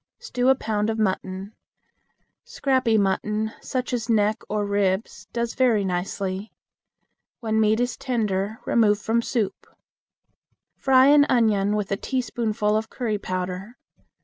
Stew a pound of mutton. Scrappy mutton, such as neck or ribs, does very nicely. When meat is tender remove from soup. Fry an onion with a teaspoonful of curry powder.